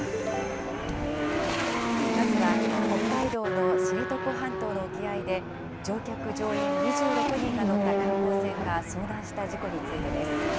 まずは北海道の知床半島の沖合で、乗客・乗員２６人が乗った観光船が遭難した事故についてです。